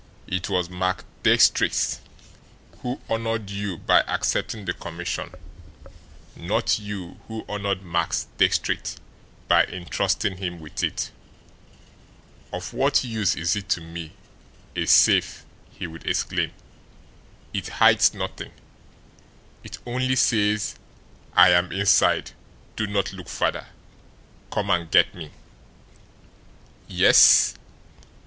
It was Max Diestricht who honoured you by accepting the commission; not you who honoured Max Diestricht by intrusting him with it. "Of what use is it to me, a safe!" he would exclaim. "It hides nothing; it only says, 'I am inside; do not look farther; come and get me!' Yes?